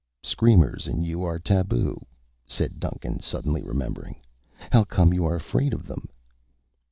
"Screamers and you are taboo," said Duncan, suddenly remembering. "How come you are afraid of them?"